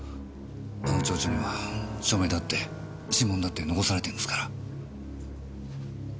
あの調書には署名だって指紋だって残されてるんすから。